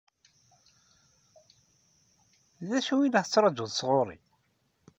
D acu i la tettṛaǧuḍ sɣur-i?